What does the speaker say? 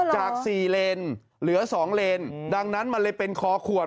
จาก๔เลนเหลือ๒เลนดังนั้นมันเลยเป็นคอขวด